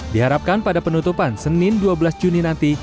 diharapkan pada penutupan senin dua belas juni nanti